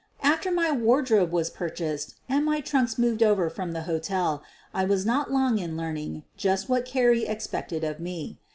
After my wardrobe was purchased and my trunks moved over from the hotel, I was not long in learn ing just what Carrie expected of me.